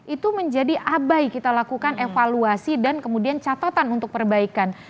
itu menjadi abai kita lakukan evaluasi dan kemudian catatan untuk perbaikan